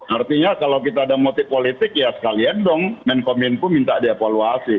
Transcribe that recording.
artinya kalau kita ada motif politik ya sekalian dong men kominku minta diavaluasi